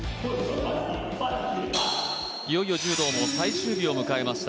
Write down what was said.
いよいよ柔道も最終日を迎えました。